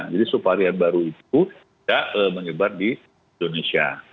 jadi suhu varian baru itu tidak menyebar di indonesia